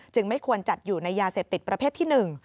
ไม่ควรจัดอยู่ในยาเสพติดประเภทที่๑